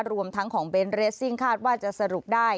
รวมทั้งของเบนทเรสซิ่งคาดว่าจะสรุปได้